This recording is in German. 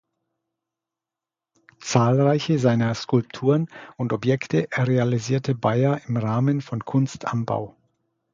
Zahlreiche seiner Skulpturen und Objekte realisierte Beier im Rahmen von Kunst am Bau.